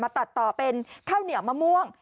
ตัดต่อเป็นข้าวเหนียวมะม่วง